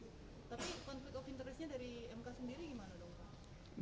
tapi konflik of interestnya dari mk sendiri gimana dong pak